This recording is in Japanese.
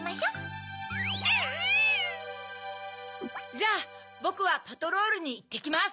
じゃあボクはパトロルにいってきます。